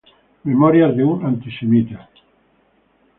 Memorias de un antisemita.